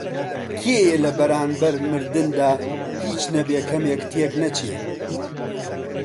کێیە لە بەرانبەر مردندا هیچ نەبێ کەمێک تێک نەچێ؟